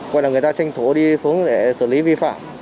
coi là người ta tranh thố đi xuống để xử lý vi phạm